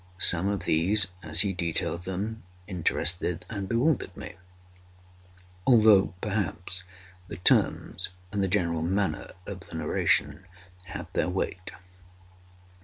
Some of these, as he detailed them, interested and bewildered me; although, perhaps, the terms, and the general manner of the narration had their weight.